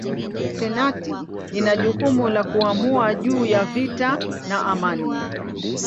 Senati ina jukumu la kuamua juu ya vita na amani.